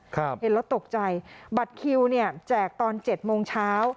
เห็นแล้วตกใจบัตรคิวเนี่ยแจกตอนเจ็ดโมงเช้า